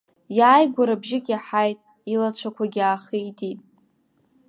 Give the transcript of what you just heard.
Иааигәара бжьык иаҳаит, илацәақәагьы аахитит.